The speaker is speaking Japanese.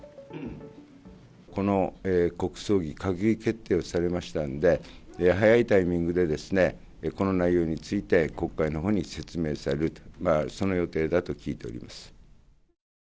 この国葬儀、閣議決定をされましたんで、早いタイミングでですね、この内容について、国会のほうに説明されると、その予定だと聞いております。